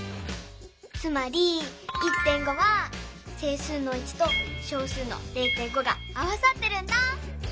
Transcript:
つまり１．５は整数の１と小数の０．５が合わさってるんだ。